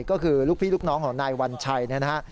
ก็คือลูกพี่ลูกน้องของนายวัญชัยเนี่ยนะฮะ